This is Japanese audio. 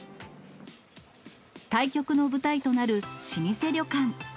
対局の舞台となる老舗旅館。